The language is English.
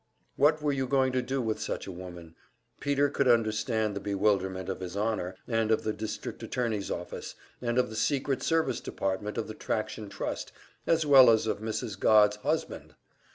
What were you going to do with such a woman? Peter could understand the bewilderment of His Honor, and of the district attorney's office, and of the secret service department of the Traction Trust as well as of Mrs. Godd's husband!